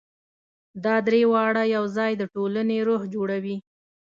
دا درې واړه یو ځای د ټولنې روح جوړوي.